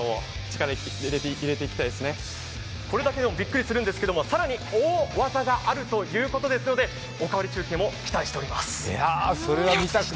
これだけでもびっくりするんですけど、更に大技があるということですので「おかわり中継」も期待しております。